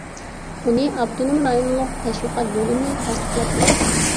ئۇنى ئاپتونوم رايونلۇق تەشۋىقات بۆلۈمى تەستىقلاپ بېكىتكەن.